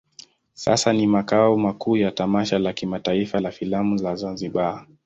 Sasa ni makao makuu ya tamasha la kimataifa la filamu la Zanzibar.